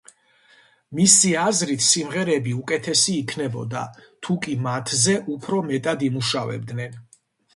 მისი აზრით, სიმღერები უკეთესი იქნებოდა, თუკი მათზე უფრო მეტად იმუშავებდნენ.